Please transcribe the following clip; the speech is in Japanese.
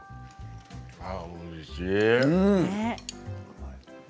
おいしい。